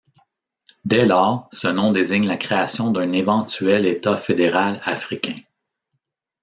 Dès lors ce nom désigne la création d'un éventuel État fédéral africain.